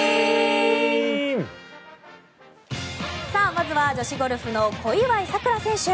まずは女子ゴルフの小祝さくら選手。